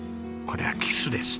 これはキスです。